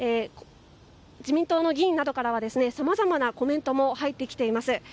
自民党の議員などからはさまざまなコメントも入ってきています。